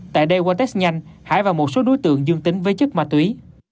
tại đây quán test nhanh hãi vào một số đối tượng dương tính với chất ma túy